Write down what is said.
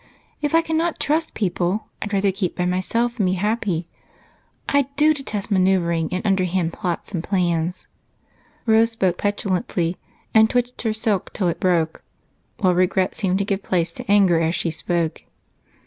If I cannot trust people I'd rather keep by myself and be happy. I do detest maneuvering and underhanded plots and plans!" Rose spoke petulantly and twitched her silk till it broke, while regret seemed to give place to anger as she spoke.